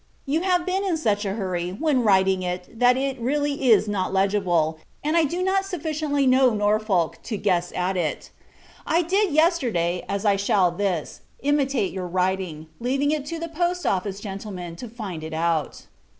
You have been in such a hurry, when writing it, that it really is not legible; and I do not sufficiently know Norfolk, to guess at it. I did yesterday, as I shall this imitate your writing, leaving it to the Post Office gentlemen to find it out.